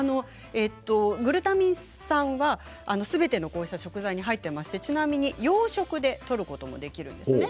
グルタミン酸はすべての食材に入っていまして、ちなみに洋食でとることもできるんですね。